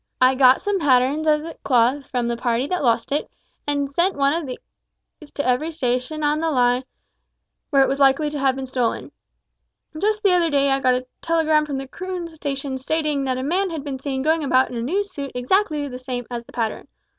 I got some patterns of the cloth from the party that lost it, and sent one of these to every station on the line where it was likely to have been stolen. Just the other day I got a telegram from Croon station stating that a man had been seen going about in a new suit exactly the same as the pattern.